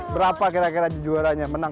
berapa kira kira juaranya menang